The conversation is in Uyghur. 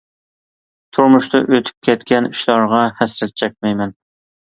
تۇرمۇشتا ئۆتۈپ كەتكەن ئىشلارغا ھەسرەت چەكمەيمەن.